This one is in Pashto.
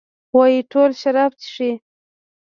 وايي ټول شراب چښي.